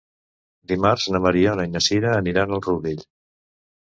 Dimarts na Mariona i na Sira aniran al Rourell.